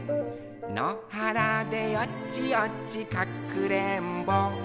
のはらでよちよちかくれんぼ」